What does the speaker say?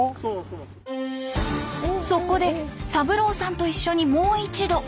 そこで三郎さんと一緒にもう一度。